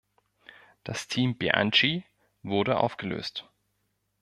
Das Team Bianchi wurde aufgelöst.